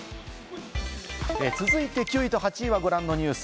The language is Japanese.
続いて９位と８位はご覧のニュース。